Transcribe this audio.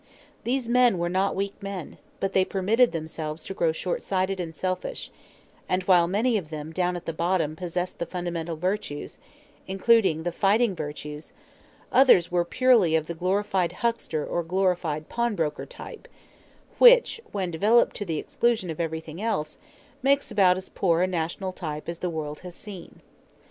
These men were not weak men, but they permitted themselves to grow shortsighted and selfish; and while many of them down at the bottom possessed the fundamental virtues, including the fighting virtues, others were purely of the glorified huckster or glorified pawnbroker type which when developed to the exclusion of everything else makes about as poor a national type as the world has seen.